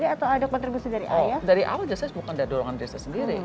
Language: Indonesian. apakah ini dorongan dari diri sendiri atau ada kontribusi dari alias